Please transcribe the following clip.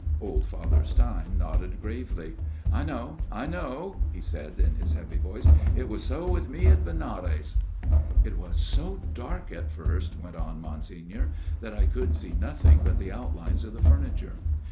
1 Old Father Stein nodded gravely. " I know, I know," he said in his heavy voice ;" it was so with me at Benares." " It was so dark at first," went on Monsignor, " that I could see nothing but the outlines of the furniture.